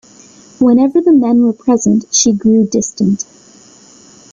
Whenever the men were present she grew distant.